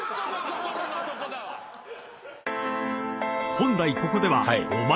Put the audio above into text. ［本来ここでは］